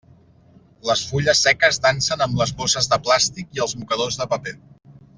Les fulles seques dansen amb les bosses de plàstic i els mocadors de paper.